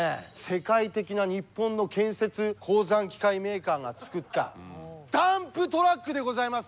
世界的な日本の建設鉱山機械メーカーが作ったダンプトラックでございます。